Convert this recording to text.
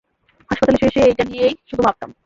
হাসপাতালে শুয়ে-শুয়ে এইটা নিয়েই শুধু ভাবতাম।